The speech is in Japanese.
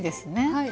はい。